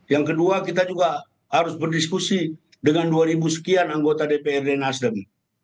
yang kedua kita juga harus berdiskusi dengan dua ribu sekian anggota dprd nasdem